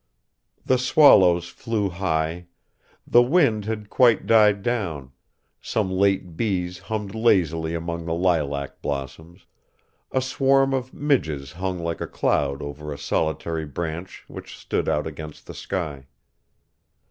The swallows flew high; the wind had quite died down, some late bees hummed lazily among the lilac blossoms, a swarm of midges hung like a cloud over a solitary branch which stood out against the sky.